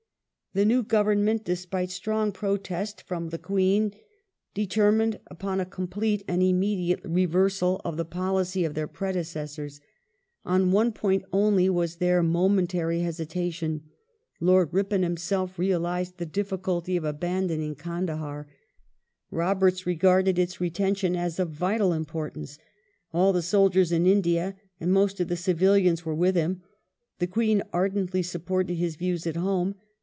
The new Government, despite strong protest fi om the 472 AFGHANISTAN, SOUTH AFRICA, IRELAND [1876 Queen, determined upon a complete and immediate reversal of the policy of their predecessors. On one point only was there momen tary hesitation. Lord Ripon himself realized the difficulty of abandoning Kandahdr. Roberts regarded its retention as of " vital importance ". All the soldiers in India and most of the civilians were with him. The Queen ardently supported his views at home.